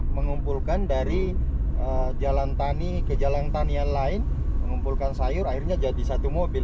mengumpulkan dari jalan tani ke jalan tani yang lain mengumpulkan sayur akhirnya jadi satu mobil